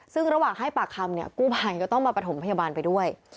ซึ่งระหว่างให้ปากคำเนี่ยกู้ภัยก็ต้องมาประถมพยาบาลไปด้วย